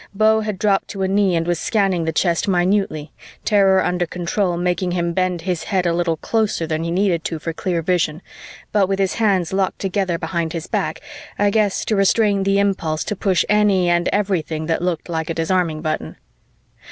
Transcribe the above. Beau had dropped to a knee and was scanning the chest minutely, terror under control making him bend his head a little closer than he needed to for clear vision, but with his hands locked together behind his back, I guess to restrain the impulse to push any and everything that looked like a disarming button.